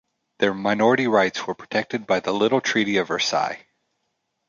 Their minority rights were protected by the Little Treaty of Versailles.